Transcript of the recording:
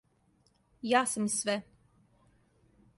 Ја сам све!